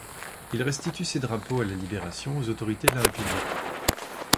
Il restitue ces drapeaux à la Libération aux autorités de la République.